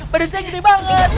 badan saya gede banget